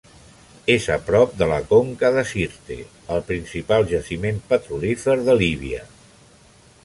És a prop de la conca de Sirte, el principal jaciment petrolífer de Líbia.